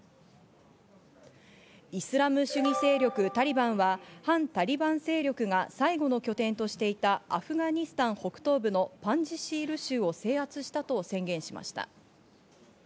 イスラム主義勢力・タリバンは反タリバン勢力が最後の拠点としていたアフガニスタン北東部のパンジシール州を制圧したと宣言しました。